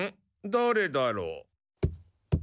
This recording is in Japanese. だれだろう？